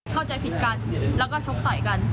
เข้าใจผิดกันแล้วก็ชกต่อยกัน